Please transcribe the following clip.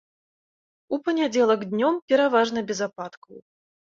У панядзелак днём пераважна без ападкаў.